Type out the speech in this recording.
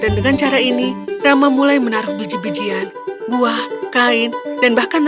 dan dengan cara ini rama mulai menaruh biji bijian buah kain dan bahkan rempahnya